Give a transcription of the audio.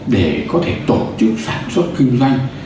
để có thể tổ chức sản xuất kinh doanh